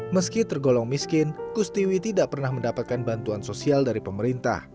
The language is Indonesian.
meski tergolong miskin kustiwi tidak pernah mendapatkan bantuan sosial dari pemerintah